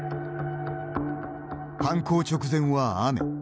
犯行直前は雨。